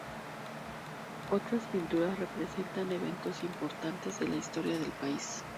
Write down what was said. Otras pinturas representan eventos importantes de la historia del país.